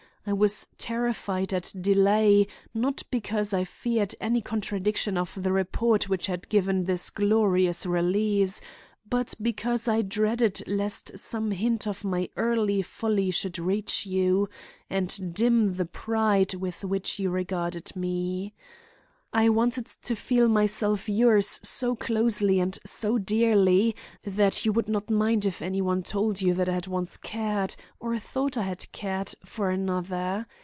I was terrified at delay, not because I feared any contradiction of the report which had given this glorious release, but because I dreaded lest some hint of my early folly should reach you and dim the pride with which you regarded me. I wanted to feel myself yours so closely and so dearly that you would not mind if any one told you that I had once cared, or thought I had cared, for another.